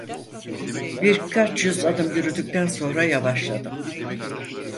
Birkaç yüz adım yürüdükten sonra yavaşladım.